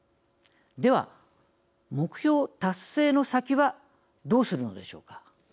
では、目標達成の先はどうするのでしょうか。